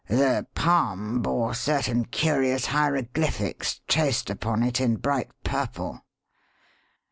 "The palm bore certain curious hieroglyphics traced upon it in bright purple."